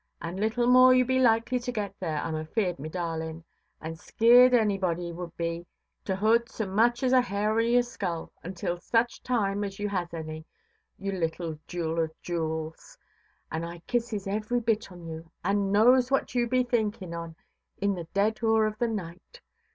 And little more you be likely to get there, Iʼm afeared, me darlinʼ. An' skeared anybody would be to hoort so much as a hair oʼ your skull, until such time as you has any, you little jule of jewels, and I kisses every bit on you, and knows what you be thinking on in the dead hoor of the night.